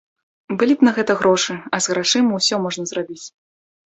Былі б на гэта грошы, а з грашыма ўсё можна зрабіць.